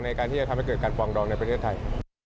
ในการที่จะทำให้เกิดการปรองดองในประเทศไทย